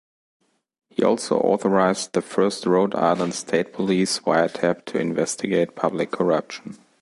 He also authorized the first Rhode Island State Police wiretap to investigate public corruption.